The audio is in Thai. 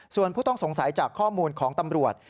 ส่วนผู้ต้องสงสัยจากข้อมูลของตำรวจ